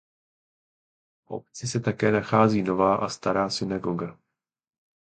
V obci se také nachází Nová a Stará synagoga.